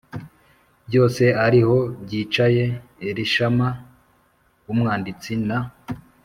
byose ari ho byicaye Elishama w umwanditsi na